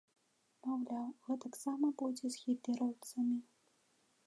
Маўляў, гэтаксама будзе з гітлераўцамі.